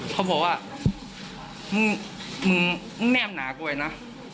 เขาบอกว่ามึงแน่มหนากว่าไงนะ